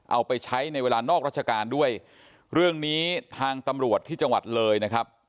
เอาไปใช้ในเวลานอกราชการด้วยเรื่องนี้ทางตำรวจที่จังหวัดเลยนะครับ